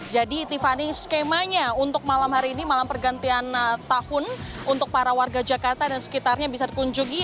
jadi tiffany skemanya untuk malam hari ini malam pergantian tahun untuk para warga jakarta dan sekitarnya bisa kunjungi